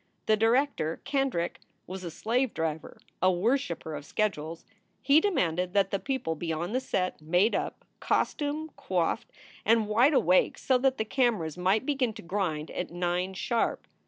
The director, Kendrick, was a slave driver, a worshiper of schedules. He demanded that the people e on the set made up, costumed, coiffed, and wide awake, so that the cameras might begin to grind at nine sharp.